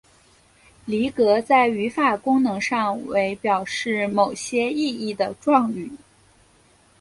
离格在语法功能上为表示某些意义的状语。